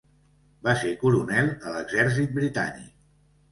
Va ser coronel a l'exèrcit britànic.